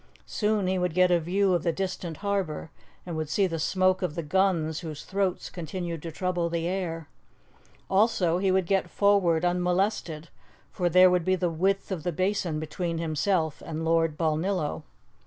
Soon he would get a view of the distant harbour, and would see the smoke of the guns whose throats continued to trouble the air. Also, he would get forward unmolested, for there would be the width of the Basin between himself and Lord Balnillo.